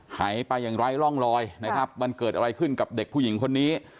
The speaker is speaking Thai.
หายไปอย่างไร้ร่องรอยนะครับมันเกิดอะไรขึ้นกับเด็กผู้หญิงคนนี้